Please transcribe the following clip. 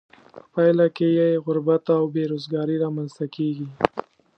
په پایله کې یې غربت او بې روزګاري را مینځ ته کیږي.